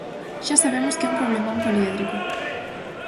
Xa sabemos que é un problemón poliédrico.